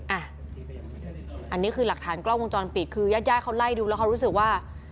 อันนี้คือหลักฐานกล้องวงจรปิดคือญาติญาติเขาไล่ดูแล้วเขารู้สึกว่า